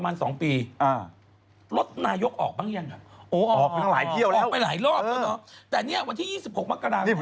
นี่แต่ถามจริงบ๊วยอย่างไรอ่ะพูดเล่นหน้ายกตัวเป็น